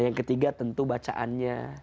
yang ketiga tentu bacaannya